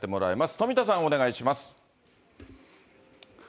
富田さん、お願いします。